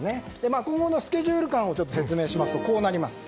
今後のスケジュールを説明しますとこうなります。